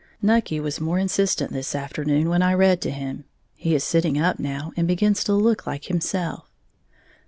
Nucky was more insistent this afternoon when I read to him (he is sitting up now and begins to look like himself).